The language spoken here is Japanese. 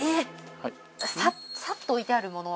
さっと置いてあるもの。